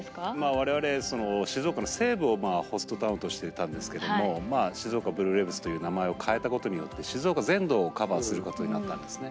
我々静岡の西部をホストタウンとしていたんですけども静岡ブルーレヴズという名前を変えたことによって静岡全土をカバーすることになったんですね。